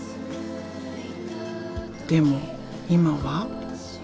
でも今は。